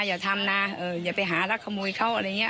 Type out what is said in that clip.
อย่าทำนะอย่าไปหารักขโมยเขา